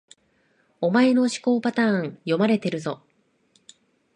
お前の思考パターン、読まれてるぞ